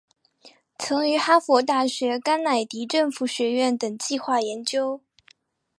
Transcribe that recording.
曾于哈佛大学甘乃迪政府学院等计画研究。